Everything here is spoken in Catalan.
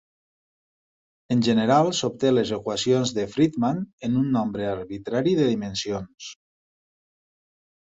En general s'obté les equacions de Friedmann en un nombre arbitrari de dimensions.